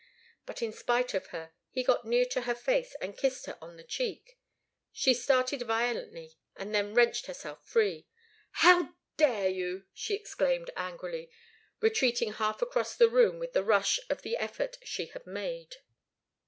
But in spite of her, he got near to her face, and kissed her on the cheek. She started violently, and then wrenched herself free. "How dare you?" she exclaimed, angrily, retreating half across the room with the rush of the effort she had made.